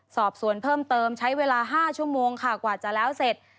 สอบสวนเพิ่มเติมใช้เวลา๕ชั่วโมงค่ะกว่าจะแล้วเสร็จ